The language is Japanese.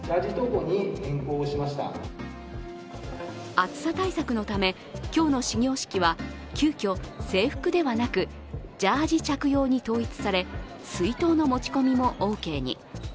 暑さ対策のため、今日の始業式は急きょ制服ではなくジャージ着用に統一され水筒の持ち込みもオーケーに。